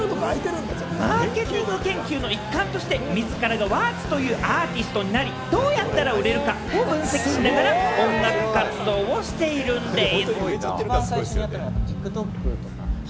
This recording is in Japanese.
マーケティング研究の一環として、自らがＷｕｒｔＳというアーティストになり、どうやったら売れるかを分析しながら音楽活動をしているんです。